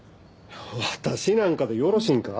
私なんかでよろしいんか？